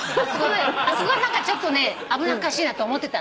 あそこが何かちょっとね危なっかしいなと思ってた。